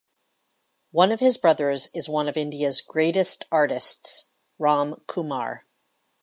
One of his brothers is one of India's greatest artists Ram Kumar.